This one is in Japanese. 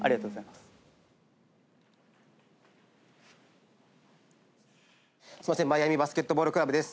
すいませんマイアミバスケットボールクラブです。